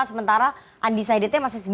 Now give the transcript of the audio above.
sementara undecidednya masih sembilan puluh